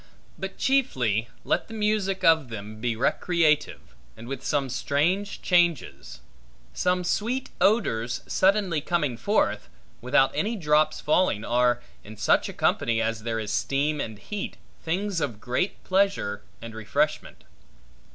But chiefly, let the music of them be recreative, and with some strange changes. Some sweet odors suddenly coming forth, without any drops falling, are, in such a company as there is steam and heat, things of great pleasure and refreshment.